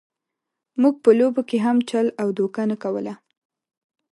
موږ په لوبو کې هم چل او دوکه نه کوله.